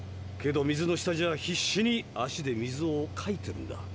けど水の下じゃ必死に足で水をかいてるんだ。